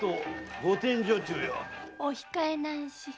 お控えなんし。